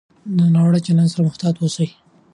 د ناوړه چلند سره محتاط اوسئ.